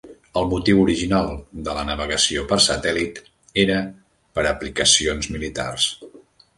El motiu original de la navegació per satèl·lit era per aplicacions militars.